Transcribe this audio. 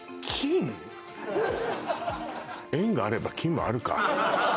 遠があれば近もあるか。